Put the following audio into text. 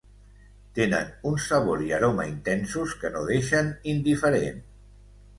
Tenen un sabor i aroma intensos que no deixen indiferent.